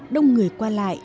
đông người qua lại